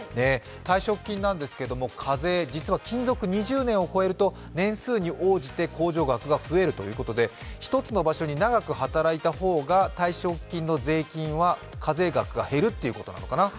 退職金なんですけれども、実は勤続２０年を超えると年数に応じて控除額が増えるということで、１つの場所に長く働いた方が退職金の課税額が減るということなのかな。